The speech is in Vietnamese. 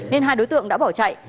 nên hai đối tượng đã bỏ chạy